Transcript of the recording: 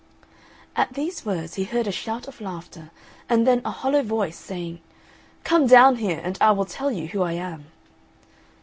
At these words he heard a shout of laughter and then a hollow voice saying, "Come down here and I will tell you who I am."